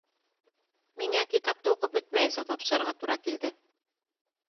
Миңә китапты уҡып бөтмәйенсә тапшырырға тура килде